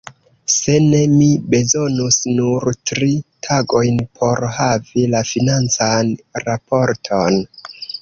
Se ne, mi bezonus nur tri tagojn por havi la financan raporton.